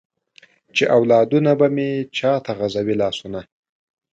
چې اولادونه به مې چاته غزوي لاسونه ؟